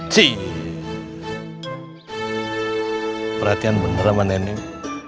ciee perhatian bener sama neneng